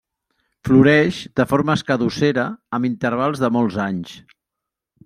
Floreix de forma escadussera, amb intervals de molts anys.